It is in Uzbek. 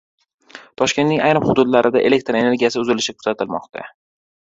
Toshkentning ayrim hududlarida elektr energiyasi uzilishi kuzatilmoqda